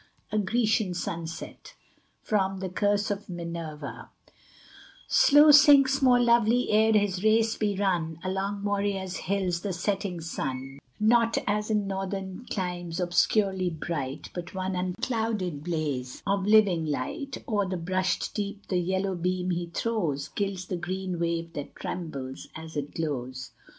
A GRECIAN SUNSET From 'The Curse of Minerva' Slow sinks, more lovely ere his race be run, Along Morea's hills the setting sun; Not, as in Northern climes, obscurely bright, But one unclouded blaze of living light: O'er the hushed deep the yellow beam he throws, Gilds the green wave that trembles as it glows.